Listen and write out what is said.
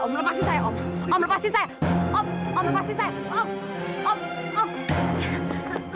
om om lepasin saya